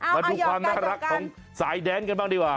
มาดูความน่ารักของสายแดนกันบ้างดีกว่า